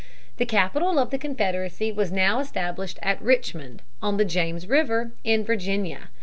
The capital of the Confederacy was now established at Richmond, on the James River, in Virginia.